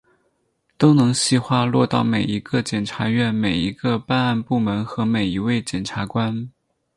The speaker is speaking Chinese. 都能细化落到每一个检察院、每一个办案部门和每一位检察官